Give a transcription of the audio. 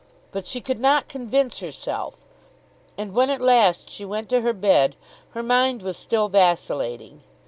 But she could not convince herself, and when at last she went to her bed her mind was still vacillating.